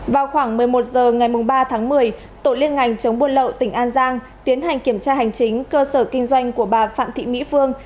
vào khoảng một mươi một h ngày ba tháng một mươi tổ liên ngành chống buôn lậu tỉnh an giang tiến hành kiểm tra hành chính cơ sở kinh doanh của bà phạm thị mỹ phương